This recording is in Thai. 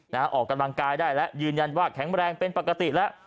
ออกกำลังกายได้แล้วยืนยันว่าแข็งแรงเป็นปกติแล้ว